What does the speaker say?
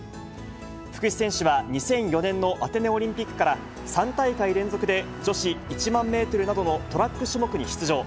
福士選手は２００４年のアテネオリンピックから、３大会連続で女子１万メートルなどのトラック種目に出場。